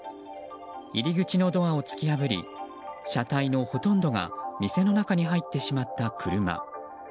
入り口のドアを突き破り車体のほとんどが店の中に入ってしまった車。